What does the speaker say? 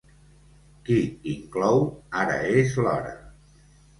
Qui inclou Ara és l'hora?